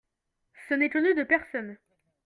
Ce n'est connu de personne.